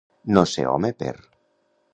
No ser home per.